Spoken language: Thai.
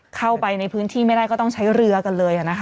เข้าไปในพื้นที่ไม่ได้ก็ต้องใช้เรือกันเลย